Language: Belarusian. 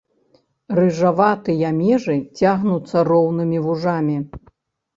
Рыжаватыя межы цягнуцца роўнымі вужамі.